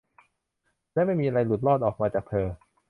และไม่มีอะไรหลุดรอดออกมาจากเธอ